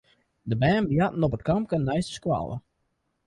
De bern boarten op it kampke neist de skoalle.